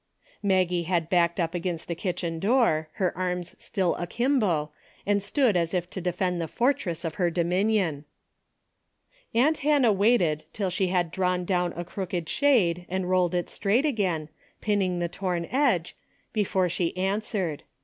Maggie had backed up against the kitchen door, her arms still akimbo, and stood as if to defend the fortress of her dominion. Aunt Hannah waited till she had drawn down a crooked shade and rolled it straight again, pinning the torn edge, before she an swered.